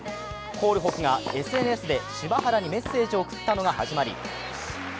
コールホフがＳＮＳで柴原にメッセージを送ったのが始まり。